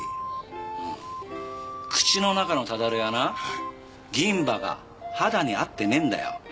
口の中のただれはな銀歯が肌に合ってねえんだよ。